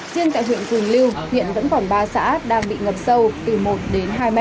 riêng tại huyện quỳnh lưu hiện vẫn còn ba xã đang bị ngập sâu từ một đến hai m